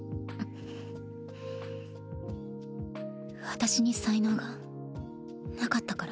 私に才能がなかったから。